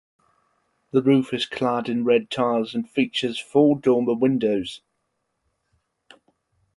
The roof is clad in red tiles and features four dormer windows.